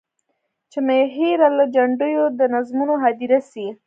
چي مي هېره له جنډیو د نظمونو هدیره سي.